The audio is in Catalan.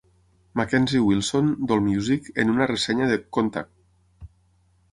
Mackenzie Wilson, d'Allmusic, en una ressenya de Contact!